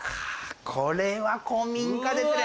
これは古民家ですね。